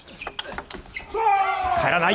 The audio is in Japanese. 入らない。